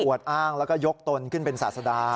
อ้างแล้วก็ยกตนขึ้นเป็นศาสดา